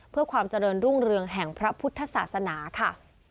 เพื่อความเจริญรุ่งเรืองแห่งพระพุทธศาสนาค่ะ